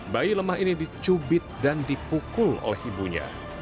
bayi lemah ini dicubit dan dipukul oleh ibunya